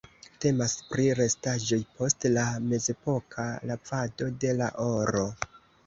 Temas pri restaĵoj post la mezepoka lavado de la oro.